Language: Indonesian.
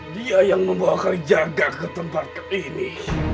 dia yang membawa kalijaga ke tempat ini